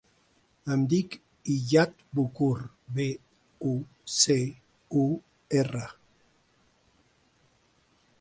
Em dic Iyad Bucur: be, u, ce, u, erra.